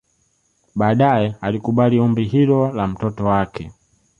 Baadaye alikubali ombi hilo la mtoto wake